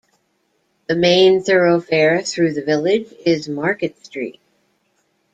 The main thoroughfare through the village is Market Street.